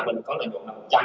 bài một lót vàng